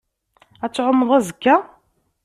Ad tɛummeḍ azekka?